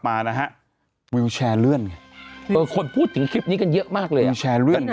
มานะฮะวิวแชร์เลื่อนไงเออคนพูดถึงคลิปนี้กันเยอะมากเลยวิวแชร์เลื่อน